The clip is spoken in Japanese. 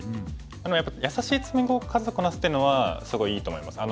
やっぱり「やさしい詰碁を数こなす」っていうのはすごいいいと思います。